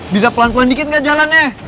bisa pelan pelan dikit nggak jalannya